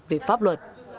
về pháp luật